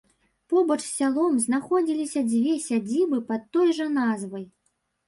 Побач з сялом знаходзіліся дзве сядзібы пад той жа назвай.